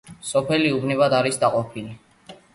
სოფელი უბნებად არის დაყოფილი.